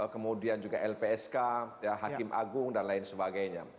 kemudian juga lpsk hakim agung dan lain sebagainya